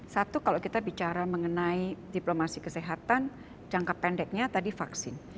satu kalau kita bicara mengenai diplomasi kesehatan jangka pendeknya tadi vaksin